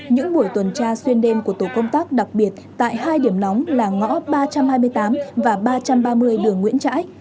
những buổi tuần tra xuyên đêm của tổ công tác đặc biệt tại hai điểm nóng là ngõ ba trăm hai mươi tám và ba trăm ba mươi đường nguyễn trãi